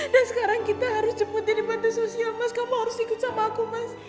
dan sekarang kita harus jemput dia di panti sosial mas kamu harus ikut sama aku mas